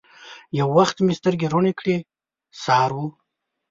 یو وخت مې سترګي روڼې کړې ! سهار و